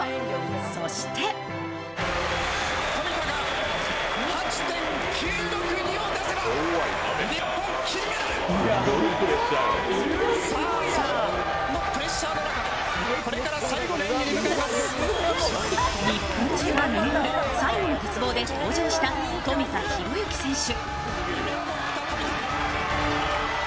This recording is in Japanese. そして日本中が見守る最後の鉄棒で登場した冨田洋之選手。